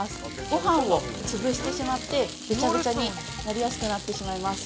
ごはんを潰してしまってべちゃべちゃになりやすくなってしまいます。